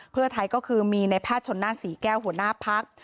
เพื่อไทยก็คือมีในแพทย์ชนนั่นศรีแก้วหัวหน้าพัก